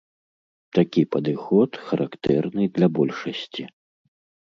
Такі падыход характэрны для большасці.